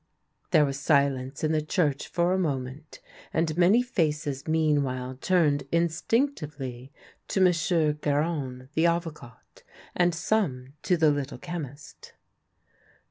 " There was silence in the church for a moment, and many faces meanwhile turned instinctively to M. Garon the Avocat, and some to the Little Chemist.